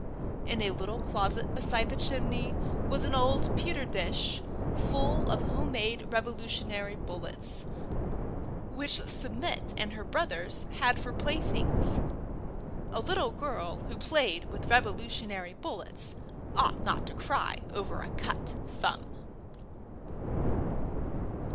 In a little closet beside the chimney was an old pewter dish full of homemade Revolutionary bullets, which Submit and her brothers had for playthings. A little girl who played with Revolutionary bullets ought not to cry over a cut thumb.